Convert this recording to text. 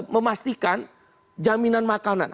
memastikan jaminan makanan